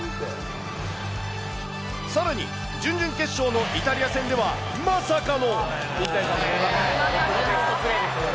さらに、準々決勝のイタリア戦では、まさかの。